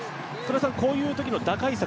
こういうときの打開策